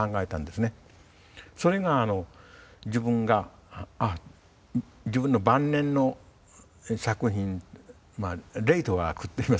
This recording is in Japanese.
それが自分が自分の晩年の作品レイト・ワークっていいますかね